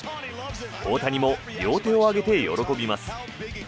大谷も両手を上げて喜びます。